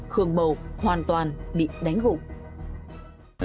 khương bầu hoàn toàn bị đánh gục